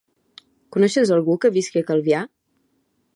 Coneixes algú que visqui a Calvià?